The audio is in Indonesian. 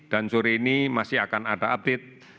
dan sore ini masih akan ada update